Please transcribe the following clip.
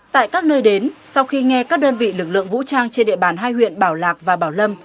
tại các nơi đến sau khi nghe các đơn vị lực lượng vũ trang trên địa bàn hai huyện bảo lạc và bảo lâm